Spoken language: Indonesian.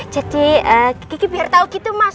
jadi geki biar tau gitu mas